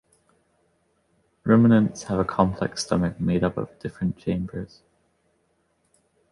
Ruminants have a complex stomach made up of different chambers.